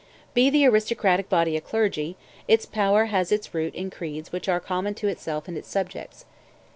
Be the aristocratic body a clergy, its power has its root in creeds which are common to itself and its subjects.